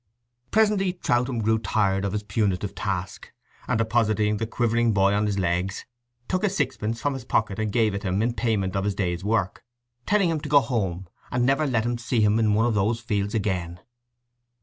Presently Troutham grew tired of his punitive task, and depositing the quivering boy on his legs, took a sixpence from his pocket and gave it him in payment for his day's work, telling him to go home and never let him see him in one of those fields again.